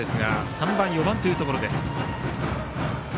３番、４番というところです。